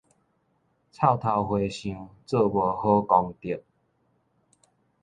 臭頭和尚，做無好功德